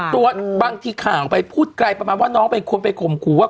บางทีข่าวไปพูดไกลประมาณว่าน้องเป็นคนไปข่มขู่ว่า